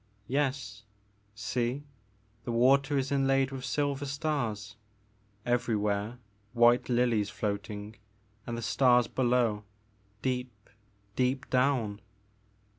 Yes. See, the water is inlaid with silver stars, — everywhere white lilies floating and the stars below, deep, deep down."